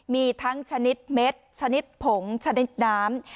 มีทั้งชนิดเม็ดชนิดผงชนิดน้ำ